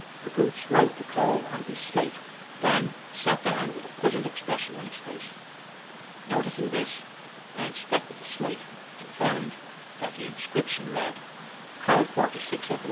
The "boots" wrote the call on his slate, and then sat down with a puzzled expression on his face. Noticing this, I inspected the slate and found that the inscription read: 'Call 46 at I."